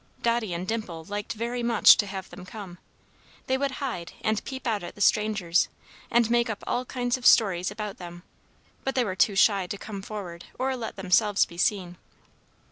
Dotty and Dimple liked very much to have them come. They would hide, and peep out at the strangers, and make up all kinds of stories about them; but they were too shy to come forward or let themselves be seen.